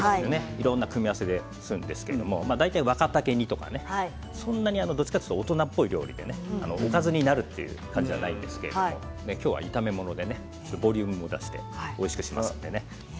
いろんな組み合わせをするんですけど大体、若竹煮とかどちらかというと大人っぽい料理でおかずになる感じではないんですけど、今日は炒め物でボリュームも出しておいしくしますのでね。